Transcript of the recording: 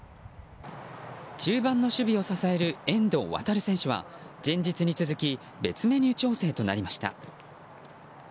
中盤の守備を支える遠藤航選手は前日に続き別メニュー調整となりました。